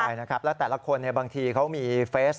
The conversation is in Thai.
ใช่นะครับแล้วแต่ละคนบางทีเขามีเฟส